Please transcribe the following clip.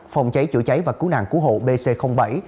phòng cháy chữa cháy và cứu nạn cứu hộ bc bảy